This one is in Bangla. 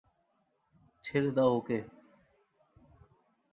ছেড়ে দাও ওকে!